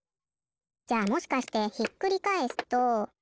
じゃあもしかしてひっくりかえすと。